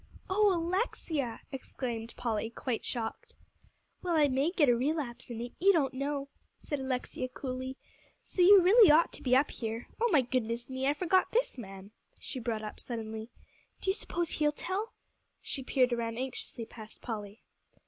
"Oh Alexia!" exclaimed Polly, quite shocked. "Well, I may get a relapse in it, you don't know," said Alexia coolly, "so you really ought to be up here. Oh my goodness me! I forgot this man," she brought up suddenly. "Do you suppose he'll tell?" She peered around anxiously past Polly.